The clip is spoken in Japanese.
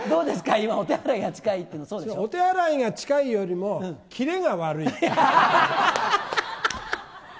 今、お手洗いが近いよりも、切れが悪い。